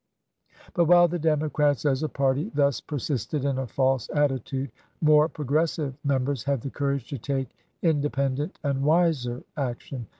But while the Democrats as a party thus per sisted in a false attitude, more progressive Mem bers had the courage to take independent and wiser action.